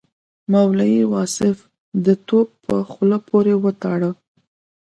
مولوي واصف د توپ په خوله پورې وتاړه.